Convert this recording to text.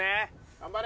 頑張れ！